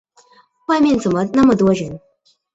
外面怎么那么多人？